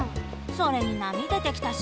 それに波出てきたし。